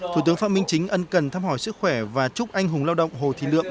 thủ tướng phạm minh chính ân cần thăm hỏi sức khỏe và chúc anh hùng lao động hồ thị lượ